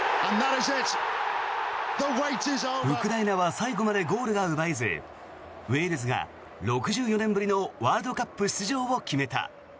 ウクライナは最後までゴールが奪えずウェールズが６４年ぶりのワールドカップ出場を決めた。